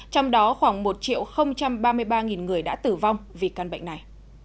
trong đó khoảng một triệu ba mươi ba người đã tử vong vì căn bệnh này